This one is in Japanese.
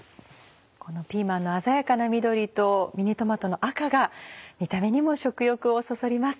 このピーマンの鮮やかな緑とミニトマトの赤が見た目にも食欲をそそります。